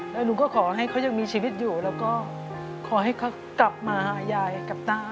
แล้วหนูก็ขอให้เขายังมีชีวิตอยู่แล้วก็ขอให้เขากลับมาหายายกับต้า